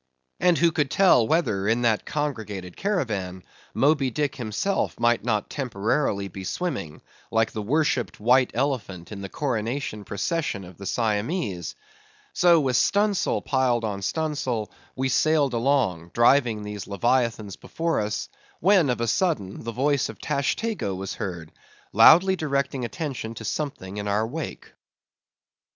And who could tell whether, in that congregated caravan, Moby Dick himself might not temporarily be swimming, like the worshipped white elephant in the coronation procession of the Siamese! So with stun sail piled on stun sail, we sailed along, driving these leviathans before us; when, of a sudden, the voice of Tashtego was heard, loudly directing attention to something in our wake.